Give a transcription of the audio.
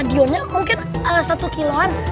stadionnya mungkin satu kiloan